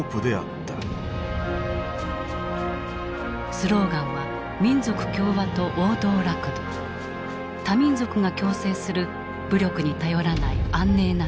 スローガンは民族協和と王道楽土多民族が共生する武力に頼らない安寧な土地。